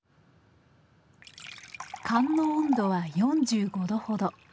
燗の温度は４５度ほど。